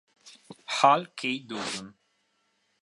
Hal K. Dawson